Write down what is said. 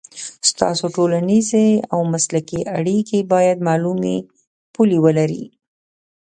ستاسو ټولنیزې او مسلکي اړیکې باید معلومې پولې ولري.